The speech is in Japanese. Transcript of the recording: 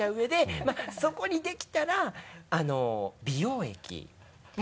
まぁそこにできたら美容液も。